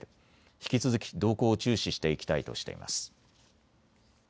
引き続き動向を注視していきたいとしています。